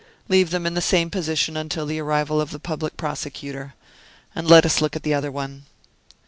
Leave them in the same position until the arrival of the public prosecutor, and let us look at the other one."